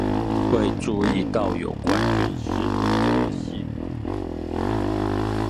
未注意到有關軍事的革新